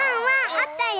あったよ！